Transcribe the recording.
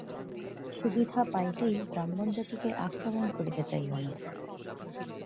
সুবিধা পাইলেই ব্রাহ্মণজাতিকে আক্রমণ করিতে যাইও না।